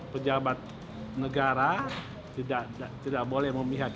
pejabat negara tidak boleh memihak